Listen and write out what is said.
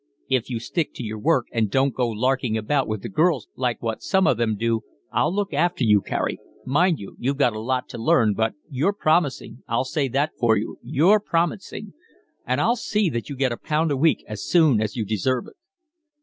"If you stick to your work and don't go larking about with the girls like what some of them do, I'll look after you, Carey. Mind you, you've got a lot to learn, but you're promising, I'll say that for you, you're promising, and I'll see that you get a pound a week as soon as you deserve it."